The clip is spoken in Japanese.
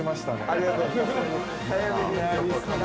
◆ありがとうございます。